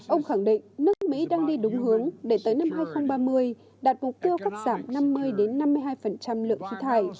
ông khẳng định nước mỹ đang đi đúng hướng để tới năm hai nghìn ba mươi đạt mục tiêu cắt giảm năm mươi năm mươi hai lượng khí thải